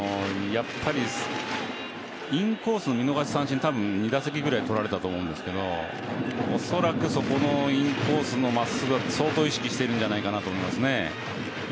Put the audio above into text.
やっぱりインコースの見逃し三振たぶん、２打席くらい取られたと思うんですけどおそらくそこのインコースの真っすぐは相当、意識してるんじゃないかと思いますね。